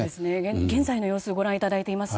現在の様子をご覧いただいています。